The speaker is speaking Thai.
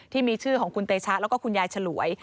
ที่มีชื่อของคุณเตชะแล้วก็คุณยายฉลวย